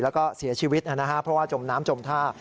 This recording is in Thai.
แล้วก็เสียชีวิตนะครับเพราะว่าจมน้ำจมท่า